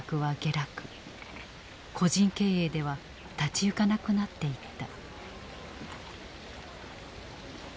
個人経営では立ち行かなくなっていった。